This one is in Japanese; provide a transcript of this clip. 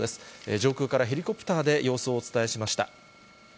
上空からヘリコプターで様子をお伝えしました。